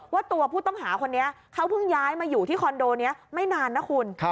ว่าตัวผู้ต้องหาคนนี้เขาเพิ่งย้ายมาอยู่ที่คอนโดนี้ไม่นานนะคุณ